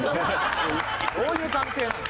どういう関係なの？